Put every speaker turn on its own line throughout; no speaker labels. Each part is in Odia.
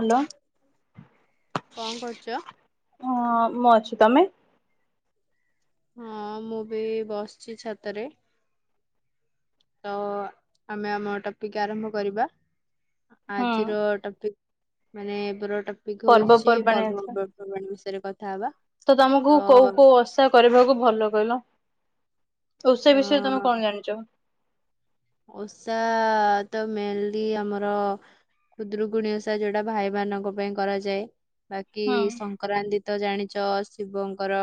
ହାଲୋ।
କଁ କରୁଚ?
ହଁ ମୁଁ ଅଛି ତମେ?
ହଁ ମୁଁବି ବସିଚି ଛାତରେ। ତ ଆମେ ଆମର ଟପିକ୍ ଆରମ୍ଭ କରିବା
ହୁଁ
ଆଜିର ଟପିକ୍ ମାନେ ଏବେର ଟପିକ୍ ହେଉଚି
ପର୍ବପର୍ବାଣୀ ହେଇଥିଲା।
ପର୍ବର୍ପର୍ବାଣି ବିଷୟରେ କଥା ହବା
ତ ତମକୁ କୋଉ କୋଉ ଓଷା କରିବାକୁ ଭଲ କହିଲ?
ଅ
ଓଷା ବିଷୟରେ ତମେ କଣ ଜାଣିଚ?
ଓଷା ତମେନ୍ଲି ଆମର ଖୁଦୁରିକୁଣି ଓଷା ଯେଉଁଟା ଭାଇମାନଙ୍କ ପାଇଁ କରାଯାଏ ବାକି
ହୁଁ
ସ ସଂକ୍ରାନ୍ତିତ ଜାଣିଚ ଶିବଙ୍କର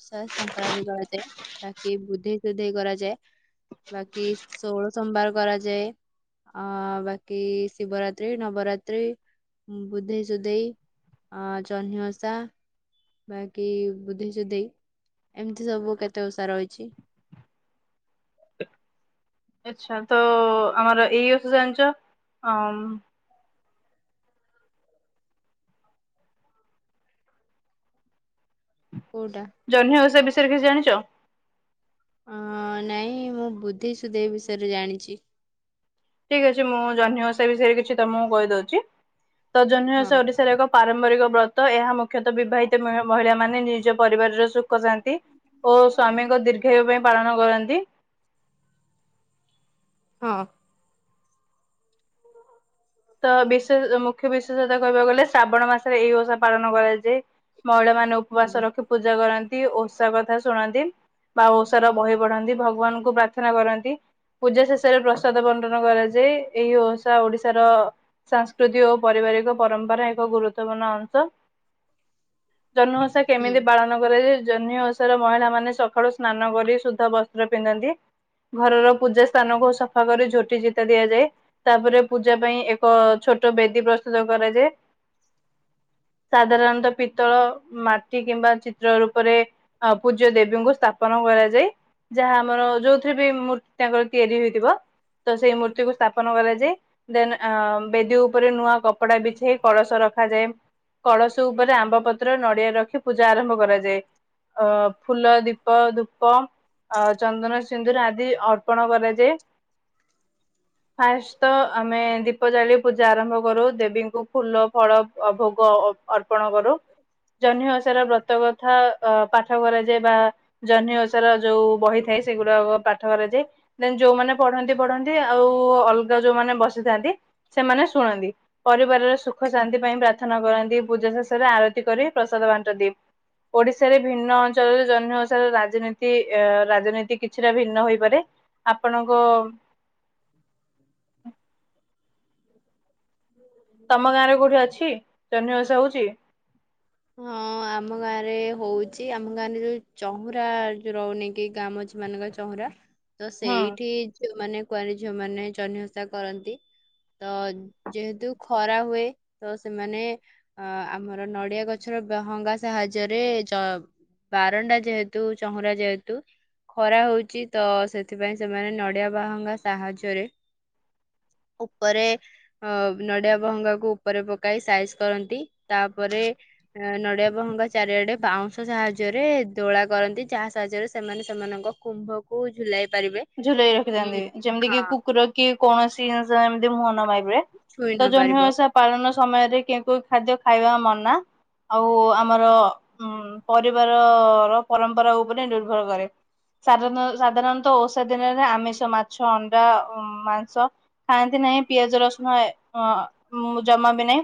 ଓଷା ସଂକ୍ରାନ୍ତି କରାଯାଏ ବାକି ବୁଧେଇ ସୁଧେଇ କରାଯାଏ ବାକି ଷୋହଳ ସୋମବାର କରାଯାଏ ଅ ବାକି ଶିବରାତ୍ରି ନବରାତ୍ରି ବୁଧେଇ ସୁଧେଇ ଆଁ ଜହ୍ନିୁ ଓଷା ବାକି ବୁଧେଇ ସୁଧେଇ ଏମିତି ସବୁ କେତେ ଓଷା ରହିଚି
ଆଚ୍ଛା ତଆମର ଏଇ ଓଷା ଜାଣିଚ ଅଁ
କେଉଁଟା?
ଜହ୍ନି ଓଷା ବିଷୟରେ କିଛି ଜାଣିଚ?
ଆଁ ନାଇଁ ମୁଁ ବୁଧେଇ ସୁଧେଇ ବିଷୟରେ ଜାଣିଚି।
ଠିକ୍ ଅଛି ମୁଁ ଜହ୍ନି ଓଷା ବିଷୟରେ କିଛି ତମକୁ କହିଦଉଚି ତଜହ୍ନି
ହଁ।
ଭଷା ଓଡ଼ିଶାରେ ଏକ ପାରମ୍ପରିକ ବ୍ରତ ଏହା ମୁଖ୍ୟତଃ ବିବାହିତ ମହିଳାମାନେ ନିଜ ପରିବାରର ସୁଖଶାନ୍ତି ଓ ସ୍ଵାମୀଙ୍କ ଦୀର୍ଘାୟୁ ପାଇଁ ପାଳନ କରନ୍ତି।
ହଁ।
ତ ବିଶେଷ ମୁଖ୍ୟ ବିଶେଷତଃ କହିବାକୁ ଗଲେ ଶ୍ରାବଣ ମାସରେ ଏଇ ଓଷା ପାଳନ କରାଯାଏ ମହିଳାମାନେ ଉପବାସ
ହୁଁ
ରଖି ପୂଜା କରନ୍ତି ଓଷା କଥା ଶୁଣନ୍ତି। ବା ଓଷାର ବହି ପଢନ୍ତି ଭଗବାନଙ୍କୁ ପ୍ରାର୍ଥନା କରନ୍ତି। ପୂଜା ଶେଷରେ ପ୍ରସାଦ ବଣ୍ଟନ କରାଯାଏ ଏହି ଓଷା ଓଡ଼ିଶାର ସାଂସ୍କୃତି ଓ ପାରିବାରିକ ପରମ୍ପରାର ଏକ ଗୁରୁତ୍ୱପୂର୍ଣ୍ଣ ଅଂଶ ଜହ୍ନି ଓଷା
ହୁଁ।
କେମିତି ପାଳନ କରାଯଏ ଜହ୍ନି ଓ ଓଷାର ମହିଳା ମାନେ ସକାଳୁ ସ୍ନାନ କରି ଶୁଦ୍ଧ ବସ୍ତ୍ର ପିନ୍ଧନ୍ତି। ଘରର ପୂଜାସ୍ଥାନକୁ ସଫା କରି ଝୋଟିଚିତା ଦିଆଯାଏ ତାପରେ ପୂଜା ପାଇଁ ଏ କ ଛୋଟ ବେଦୀ ପ୍ରସ୍ତୁତ କରାଯାଏ ସାଧାରଣତଃ ପିତ୍ତଳ ମାଟି କିମ୍ବା ଚିତ୍ର ରୂପରେ ଅଁ ପୂଜ୍ୟ ଦେବୀଙ୍କୁ ସ୍ଥାପନ କରାଯାଏ ଯାହା ଆମର ଯୋଉଥିରେବି ମୂ ତାଙ୍କର ତିଆରି ହୋଇଥିବ ତସେଇ ମୂର୍ତ୍ତିକୁ ସ୍ଥାପନ କରାଯାଇ ଦ ଆଁ ବେଦୀ ଉପରେ ନୂଆ କପଡ଼ା ବିଛେଇ କଳସ ରଖାଯାଏ କଳସ ଉପରେ ଆମ୍ବପତ୍ର ନଡ଼ିଆ ରଖି ପୂଜା ଆରମ୍ଭ କରାଯାଏ। ଆଁ ଫୁଲ ଦୀପ ଧୂପ ଚନ୍ଦନ ସିନ୍ଦୁର ଆଦି ଅର୍ପଣ କରାଯାଏ
[inaudible]
ଫାଷ୍ଟତ ଆମେ ଦୀପ ଜାଳି ପୂଜା ଆରମ୍ଭ କରୁ ଦେବୀଙ୍କୁ ଫୁଲଫଳ ଭୋଗ ଅର୍ପଣ କରୁ ଜହ୍ନିଓଷାରେ ବ୍ରତ କଥା ଅଁ ପାଠ କରାଯାଏ ବା ଜହ୍ନି ଓଷାର ଯେଉଁ ବହି ଥାଏ ସେଗୁଡାକ ପାଠ କରାଯାଏ ଦେନ୍ ଯୋଉମାନେ ପଢନ୍ତି ପଢନ୍ତି ଆଉ ଅଲଗା ଯୋଉ ମାନେ ବସିଥାନ୍ତି ସେମାନେ ଶୁଣନ୍ତି। ପରିବାରରେ ସୁଖଶାନ୍ତି ପାଇଁ ପ୍ରାର୍ଥନା କରନ୍ତି ପୂଜା ଶେଷରେ ଆରତି କରି ପ୍ରସାଦ ବାଣ୍ଟନ୍ତି। ଓଡିଶାରେ ଭିନ୍ନ ଅଞ୍ଚଳରେ ଜହ୍ନି ଓଷାର ରାଜନୀତି ରାଜନୀତି କିଛିଟା ଭିନ୍ନ ହୋଇପାରେ। ଆପଣଙ୍କ
[inaudible]
ତମ ଗାଁରେ କଉଠି ଅଛି ଜହ୍ନି ଓଷା ହଉଚି?
ହଁ। ଆମ ଗାଁରେ ହଉଚି ଆମ ଗାଁରେ ଯୋଉ ଚହୁଁରା ଯୋଉ ରହୁନି କି ଗାଁ ମଝିମାନଙ୍କରେ ଚହୁଁରା। ତ
ହୁଁ।
ସେଇଠି ଝିଅମାନେ କୁଆଁରୀ ଝିଅମାନେ ଜହ୍ନିଓଷା କରନ୍ତି। ତ ଯେହେତୁ ଖରା ହୁଏ ତ ସେମାନେ ଅ ଆମର ନଡିଆ ଗ ଗଛର ବହଙ୍ଗା ସାହାଯ୍ୟରେ ବାରଣ୍ଡା ଯେହେତୁ ଚଉଁରା ଯେହେତୁ ଖରା ହଉଚି ତ ସେଥିପାଇଁ ସେମାନେ ନଡିଆ ବାହୁଙ୍ଗା ସାହାଯ୍ୟରେ ଉପରେ ଅ ନଡିଆ ବହଙ୍ଗାକୁ ଉପରେ ପକାଇ ସାଇଜ କରନ୍ତି ତାପରେ ଅ ନଡିଆ ବହଙ୍ଗା ଚାରିଆଡେ ବାଉଁଶ ସାହାଯ୍ୟରେ ଦୋଳା କରନ୍ତି ଯାହା ସାହାଯ୍ୟରେ ସେମାନେ ସେମାନଙ୍କ କୁମ୍ଭକୁ ଝୁଲାଇ ପାରିବେ।
ଝୁଲେଇ
ଉଁ
ରଖିଥାନ୍ତି ଯେମିତିକି
ହଁ
କୁକୁରକି କୌଣସି ଜିନିଷ ଏମିତି ମୁହଁ ନମାରିବେ।
ଛୁଇଁ ନ
ତ
ପାରିବ
ଜହ୍ନିଓଷା ପାଳନ ସମୟରେ କେଉଁ କେଉଁ ଖାଦ୍ୟ ଖାଇବା ମନା? ଆଉ ଆମର ଉ ପରିବାର ର ପରମ୍ପରା ଉପରେ ନିର୍ଭରକରେ। ସାଧାରଣ ସାଧାରଣତଃ ଓଷା ଦିନରେ ଆମିଷ ମାଛ ଅଣ୍ଡା ମାଂସ ଖାଆନ୍ତି ନାହିଁ ପିଆଜ ରସୁଣ ଅ ଜମାବି ନାହିଁ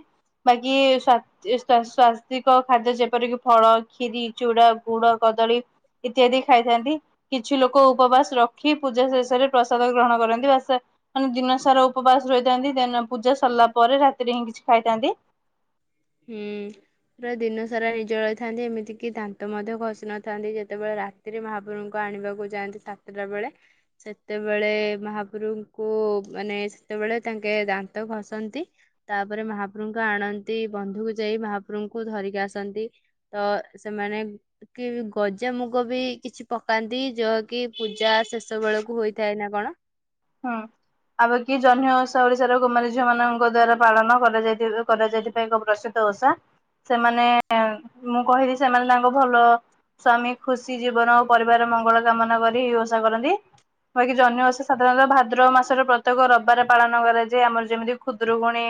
ବାକି ସ୍ବା ଏସ୍ଥା ସ୍ୱାସ୍ଥିକ ଖାଦ୍ୟ ଯେପରିକି ଫଳ, ଖିରି, ଚୁଡା, ଗୁଡ କଦଳୀ ଇତ୍ୟାଦି ଖାଇଥାନ୍ତି, କିଛିଲୋକ ଉପବାସ ରଖି ପୂଜା ଶେଷରେ ପ୍ରସାଦ ଗ୍ରହଣ କରନ୍ତି ବାସ ମାନେ ଦିନ ସାରା ଉପବାସ ରହିଥାନ୍ତି, ଦେନ୍ ପୂଜା ସରିଲା ପରେ ରାତିରେହିଁ କିଛି ଖାଇଥାନ୍ତି।
ହୁଁ। ପୁରା ଦିନସାରା ନିଜଳା ରହିଥାନ୍ତି ଏମିତିକିି ଦାନ୍ତ ମଧ୍ୟ ଘସି ନଥାନ୍ତି ଯେତେବେଳେ ରା ତିରେ ମହାପୁଭଙ୍କୁ ଆଣିବାକୁ ଯାଆନ୍ତି ସାତଟା ବେଳେ ସେତେବେଳେ ମହାପ୍ରଭଙ୍କୁ ମାନେ ସେତେବେଳେ ତାଙ୍କେ ଦାନ୍ତ ଘସନ୍ତି। ତାପରେ ମହାପ୍ରଭୁଙ୍କ ଆଣନ୍ତି ବନ୍ଧୁକୁ ଯାଇ ମହାପ୍ରଭୁଙ୍କୁ ଧରିକି ଆସନ୍ତି ତ ସେମାନେ କି ଗଜାମୁଗବି କିଛି ପକାନ୍ତି ଯଅକି ପୂଜା ଶେଷ ବେଳକୁ ହୋଇଥାଏନା କଣ?
ହଁ। ଆମରକି ଜହ୍ନି ଓଷା ଓଡିଶାର କୁମାରୀ ଝିଅ ମାନଙ୍କ ଦ୍ଵାରା ପାଳନ କରାଯାଇ କରାଯାଇ [unintelligible] ଓଷା, ସେମାନେ ମୁଁ କହିଲି ସେମାନେ ତାଙ୍କ ଭଲ ସ୍ଵାମୀ ଖୁସି ଜୀବନ ଓ ପରିବାର ମଙ୍ଗଳ କାମନା କରି ଓଷା କରନ୍ତି କହିକି ଜନହୀ ଓଷା ସା ସାଧାରଣତଃ ଭାଦ୍ରବ ମାସର ପ୍ରତ୍ୟେକ ରବିବାର ପାଳନ କରାଯାଏ ଆମର ଯେମିତି ଖୁଦୁରୁକୁଣୀ।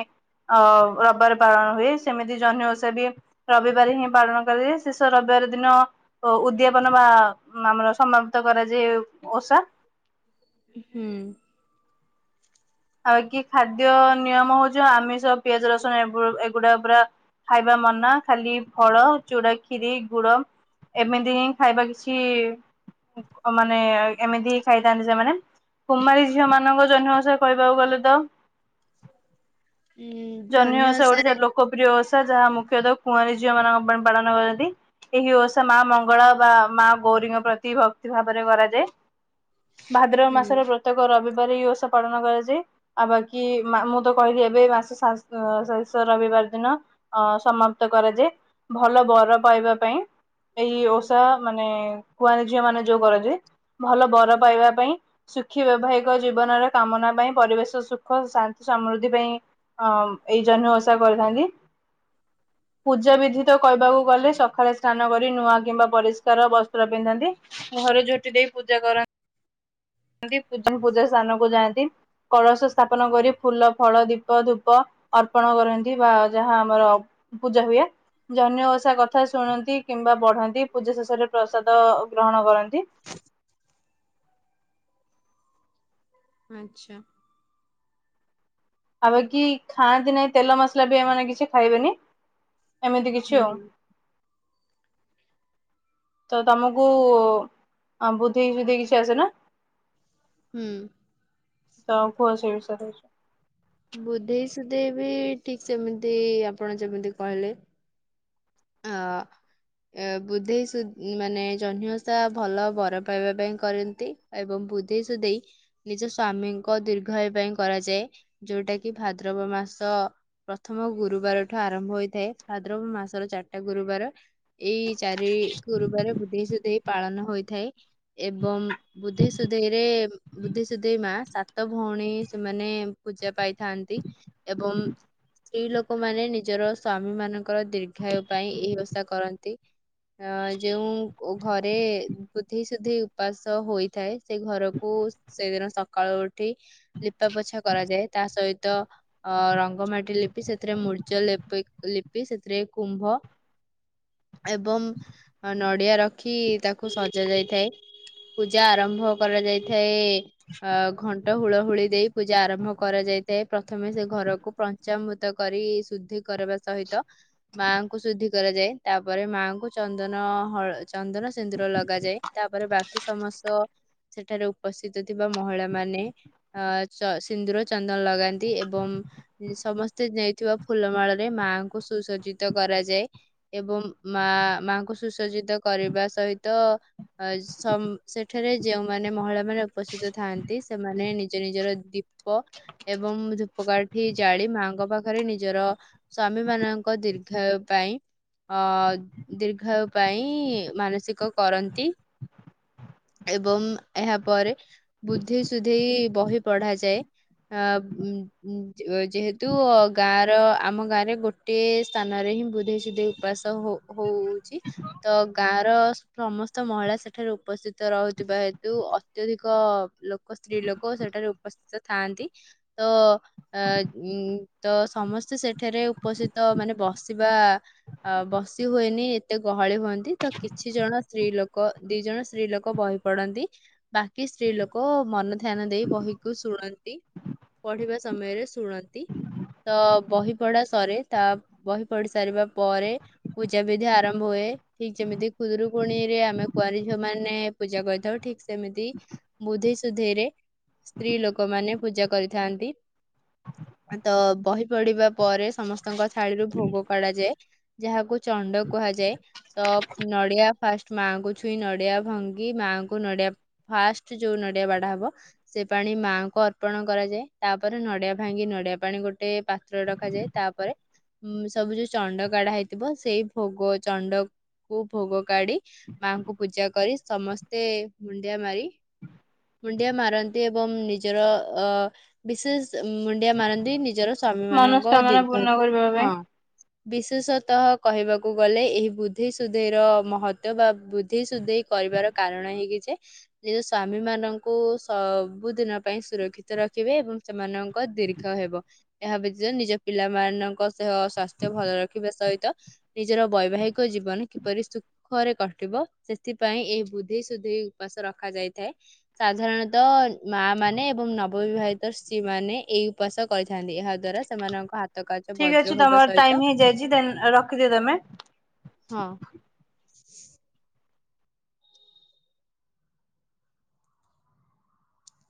ଅ ରବିବାରେ ପାଳନ ହୁଏ ସେମିତି ଜହ୍ନି ଓଷାବି ରବିବାରେହିଁ ପାଳନ କରାଯାଏ ଶେଷ ରବିବାର ଦିନ ଓ ଉଦ୍ୟାପନ ବା ଆମର ସମାପ୍ତ କରାଯାଏ ଓଷା।
ହୁଁ।
ଆଉ କିଖାଦ୍ୟ ନିୟମ ହଉଚି ଆମିଷ ପିଆଜ ରସୁଣ ଏ ଏଗୁଡା ପୁରା ଖାଇବା ମନା ଖାଲି ଫଳ ଚୂୁଡାଖିରି ଗୁଡ। ଏମିତି ହିଁ ଖାଇବା କିଛି ମାନେ ଏମିତି ଖାଇଥାନ୍ତି ସେମାନେ କୁମାରୀ ଝିଅ ମାନଙ୍କର ଜନ୍ନିଓଷା କହିବାକୁ ଗଲେ ତ
ଉଁ
ଜନ୍ନି
ଜହ୍ନି
ଓଷା ଓଡ଼ିଶା
ଓଷାରେ
ର ଲୋ [unintelligible] ଓଷା ଯାହା ମୁଖ୍ୟତଃ କୁଆଁରୀ ଝିଅ ମାନଙ୍କ ପାଇଁ ପାଳନ କରନ୍ତି। ଏହି ଓଷା ମା ମଙ୍ଗଳ ବା ମା ଗୌରୀଙ୍କ ପ୍ରତି ଭକ୍ତି ଭାବରେ କରାଯାଏ। ଭାଦ୍ରବ
ହୁଁ।
ମାସର ପ୍ରତ୍ୟେକ ରବିବାର ଏହି ଓଷା ପାଳନ କରାଯାଏ ଆଉ ବାକି ମୁଁ ତ କହିଲି ଏବେ ମାସ ଶା ଶେଷ ରବିବାର ଦିନ ଅ ସମାପ୍ତ କରାଯାଏ ଭଲ ବର ପାଇବା ପାଇଁ। ଏଇ ଓଷା ମାନେ କୁଆଁରୀ ଝିଅ ମାନେ ଯୋଉ କରନ୍ତି। ଭଲ ବର ପାଇବା ପାଇଁ ସୁଖୀ ବୈବାହିକ ଜୀବନର କାମନା ପାଇଁ ପରିବେଶ ସୁଖ ଶାନ୍ତି ସମୃଦ୍ଧି ପାଇଁ। ହଁ ଏଇ ଜହ୍ନି ଓଷା କରିଥାନ୍ତି।
[inaudible]
ପୂଜା ବିଧି ତ କହିବାକୁ ଗଲେ ସକାଳେ ସ୍ନାନ କରି ନୂଆ କିମ୍ବା ପରିଷ୍କାର ବସ୍ତ୍ର ପିନ୍ଧନ୍ତି। ଘରେ ଝୋଟି ଦେଇ ପୂଜା କରନ୍ତି ପୂଜା ସ୍ଥାନ ବୁଲାନ୍ତି କଳସ ସ୍ଥାପନ କରି ଫୁଲ ଫଳ ଦୀପ ଧୂପ ଅର୍ପଣ କରନ୍ତି। ବା ଯାହା ଆମର ପୂଜା ହୁଏ। ଜହ୍ନି ଓଷା କଥା ଶୁଣନ୍ତି କିମ୍ବା ପଢ଼ନ୍ତି ପୂଜା ଶେଷରେ ପ୍ରସାଦ ଗ୍ରହଣ କରନ୍ତି।
ଆଚ୍ଛା।
ଆଉ କି ଖାଆନ୍ତି ନାହିଁ ତେଲ ମସଲା ବି ଏମାନେ କିଛି ଖାଇବେନି ଏମିତି କିଛି
ହୁଁ
ଆଉ। ତ ତମକୁ ବୁଧେଇ ସୁଧେଇ କିଛି ଆସେ ନା?
ହୁଁ।
ତ କୁହ ସେ ବିଷୟରେ କିଛି?
ବୁଧେଇ ସୁଧେଇ ବି ଠିକ୍ ସେମିତି ଆପଣ ଯେମିତି କହିଲେ। ହଁ। ବୁଧେଇ ସୁଧେଇ ମାନେ ଜହ୍ନିଓଷା ଭଲ ବର ପାଇବା ପାଇଁ କରନ୍ତି। ଏବଂ ବୁଧେଇ ସୁଧେଇ ନିଜ ସ୍ଵାମୀଙ୍କ ଦୀର୍ଘାୟୁ ପାଇଁ କରାଯାଏ। ଯୋଉଟା କି ଭାଦ୍ରବ ମାସ ପ୍ରଥମ ଗୁରୁବାରଠୁ ଆରମ୍ଭ ହୋଇଥାଏ ଭାଦ୍ରବ ମାସର ଚାରି ଟା ଗୁରୁବାର ଏଇ ଚାରି ଗୁରୁବାର ବୁଧେଇ ସୁଧେଇ ପାଳନ ହୋଇଥାଏ। ଏବଂ ବୁଧେଇ ସୁଧେଇରେ ବୁଧେଇ ସୁଧେଇ ମା ସାତ ଭଉଣୀ ସେମାନେ ପୂଜା ପାଇଥାନ୍ତି ଏବଂ ସ୍ତ୍ରୀ ଲୋକମାନୋନ ନିଜର ସ୍ଵାମୀ ମାନଙ୍କର ଦୀର୍ଘାୟୁ ପାଇଁ ଏହି ଓଷା କରନ୍ତି। ଅ ଯୋଉ ଘରେ ବୁଧେଇ ସୁଧେଇ ଉପାସ ହୋଇଥାଏ ସେ ଘରକୁ ସେଇଦିନ ସକାଳୁ ଉଠି ଲିପା ପୋଛା କରାଯାଏ ତା ସହିତ ଅ ରଙ୍ଗ ମାଟି ଲିପି ସେଥିରେ ମୁରୁଜ ଲେପ ଲିପି ସେଥିରେ କୁମ୍ଭ ଏବଂ ନଡ଼ିଆ ରଖି ତାକୁ ସଜା ଯାଇଥାଏ। ପୂଜା ଆରମ୍ଭ କରାଯାଇଥାଏ। ଅ ଘଣ୍ଟ ହୁଳ ହୁଳି ଦେଇ ପୂଜା ଆରମ୍ଭ କରାଯାଇଥାଏ ପ୍ରଥମେ ସେ ଘରକୁ ପଞ୍ଚାମୃତ କରି ଶୁଦ୍ଧି କରିବା ସହିତ ମା କୁ ଶୁଦ୍ଧି କରାଯାଏ ତାପରେ ମାଆଙ୍କୁ ଚନ୍ଦନ ହଳ ଚନ୍ଦନ ସିନ୍ଦୁର ଲଗାଯାଏ ତାପରେ ବା ବାକି ସମସ୍ତ ସେଠାରେ ଉପସ୍ଥିତ ଥିବା ମହିଳା ମାନେ ଅ ସିନ୍ଦୁର ଚନ୍ଦନ ଲଗାନ୍ତି ଏବଂ ସମସ୍ତେ ନେଇଥିବା ଫୁଲମାଳରେ ମା ଙ୍କୁ ସୁସଜ୍ଜିତ କରାଯାଏ। ଏବଂ ମା ମାଙ୍କୁ ସୁସଜ୍ଜିତ କରିବା ସହିତ ଅ ସେଠାରେ ଯେଉଁମାନେ ମହିଳା ମାନେ ଉପସ୍ଥିତ ଥାଆନ୍ତି ସେମାନେ ନିଜ ନିଜର ଦି ପ ଏବଂ ଧୂପକାଠି ଜାଳି ମାଆଙ୍କ ପାଖରେ ନିଜର ସ୍ଵାମୀ ମାନଙ୍କ ଦୀ ର୍ଘାୟୁ ପାଇଁ ଅ ଦୀର୍ଘାୟୁ ପାଇଁ ମାନସିକ କରନ୍ତି। ଏବଂ ଏହାପରେ ବୁଧେଇ ସୁଧେଇ ବହି ପଢାଯାଏ। ଅ [unintelligible] ଯେହେତୁ ଗାଁ ର ଆମ ଗାଁରେ ଗୋଟେ ସ୍ଥାନରେ ହିଁ ବୁଧେଇ ସୁଧେଇ ଉପାସ ହ ହଉଚି ତ ଗାଁର ସମସ୍ତ ମହିଳା ସେଠାରେ ଉପସ୍ଥିତ ରହୁଥିବା ହେତୁ ଅତ୍ୟଧିକ ଲୋକ ସ୍ତ୍ରୀ ଲୋକ ସେଠାରେ ଉପସ୍ଥିତ ଥାଆନ୍ତି। ତ [unintelligible] ତ ସମସ୍ତେ ସେଠାରେ ଉପସ୍ଥିତ ମାନେ ବସିବା ଅ ବସି ହୁଏନି ଏତେ ଗହଳି ହୁଅନ୍ତି ତ କିଛି ଜଣ ସ୍ତ୍ରୀ ଲୋକ ଦି ଜଣ ସ୍ତ୍ରୀ ଲୋକ ବହି ପଡନ୍ତି ବାକି ସ୍ତ୍ରୀ ଲୋକ ମନ ଧ୍ୟାନ ଦେଇ ବହିକୁ ଶୁଣନ୍ତି। ପଢିବା ସମୟରେ ଶୁଣନ୍ତି ତ ବହି ପଢା ସରେ ତା ବହି ପଢି ସାରିବା ପରେ ପୂଜା ବିଧି ଆରମ୍ଭ ହୁଏ, ଠିକ୍ ଯେମିତି ଖୁଦୁରୁକୁଣିରେ ଆମେ କୁଆଁରୀ ଝିଅ ମାନେ ପୂଜା କରିଥାଉ, ଠିକ୍ ସେମିତି ବୁଧେଇ ସୁଧେଇରେ ସ୍ତ୍ରୀ ଲୋକ ମାନେ ପୂଜା କରିଥାନ୍ତି, ତ ବହି ପଢିବା ପରେ ସମସ୍ତଙ୍କ ଥାଳିରୁ ଭୋଗ କଢା ଯାଏ ଯାହାକୁ ଚଣ୍ଡ କୁହାଯାଏ। ତ ନଡିଆ ଫାଷ୍ଟ ମାଆଙ୍କୁ ଛୁଇଁ ନଡିଆ ଭାଙ୍ଗି ମାଆଙ୍କୁ ନଡିଆ ଫାଷ୍ଟ ଯୋଉ ନଡିଆ ବାଡା ହବ ସେ ପାଣି ମାଙ୍କ ଅର୍ପଣ କରାଯା‍ଏ ତାପରେ ନଡିଆ ଭାଙ୍ଗି ନଡିଆ ପାଣି ଗୋଟେ ପାତ୍ର ରଖାଯାଏ। ତାପରେ ସବୁ ଯୋଉ ଚଣ୍ଡ କଡା ହେଇଥିବ ସେଇ ଭୋଗ ଚଣ୍ଡ କୁ ଭୋଗ କାଢି ମାଙ୍କୁ ପୂଜା କରି ସମସ୍ତେ ମୁଣ୍ଡିଆ ମାରି ମୁୁଣ୍ଡିଆ ମାରନ୍ତି ଏବଂ ନିଜର ଅ ବିଶେଷ ମୁଣ୍ଡିଆ ମାରନ୍ତି ନିଜର ସ୍ୱାମୀ ମାନଙ୍କ
ମନସ୍କାମନା
ଦୀର୍ଘ
ପୂର୍ଣ୍ଣ କରିବା ପାଇଁ
[unintelligible] ବିଶେଷତଃ କହିବାକୁ ଗଲେ ଏହି ବୁଧେଇ ସୁଧେଇର ମହତ୍ୱ ବା ବୁଧେଇ ସୁଧେଇ କରିବାର କାରଣ ଏହି କି ଯେ ନିଜ ସ୍ଵାମୀ ମାନଙ୍କୁ ସବୁଦିନ ପାଇଁ ସୁରକ୍ଷିତ ରଖିବେ ଏବଂ ସେମାନଙ୍କ ଦୀର୍ଘ ହେବ ଏହା ବ୍ୟତୀତ ନିଜ ପିଲାମାନଙ୍କ ଦେହ ସ୍ୱାସ୍ଥ୍ୟ ଭଲ ରଖିବା ସହିତ ନିଜର ବୈବାହିକ ଜୀବନ କିପରି ସୁଖରେ କଟିବ ସେଥିପାଇଁ ଏହି ବୁଧେଇ ସୁଧେଇ ଉପାସ ରଖାଯାଇଥାଏ। ସାଧାରଣତଃ ମା ମାନେ ଏବଂ ନବବିବାହିତ ସ୍ତ୍ରୀ ମାନେ ଏଇ ଉପାସ କରିଥାନ୍ତି, ଏହା ଦ୍ଵାରା ସେମାନଙ୍କ ହାତ କାଚ ବଜ
[unintelligible] ତମର ଟାଇମ୍ ହେଇଯାଇଚି ଦେନ୍ ରଖିଦିଅ ତେମେ।
ହଁ।